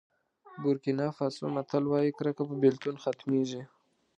بورکېنا فاسو متل وایي کرکه په بېلتون ختمېږي.